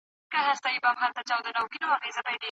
که پانګونه وسي ظرفيتونه به لوړ سي.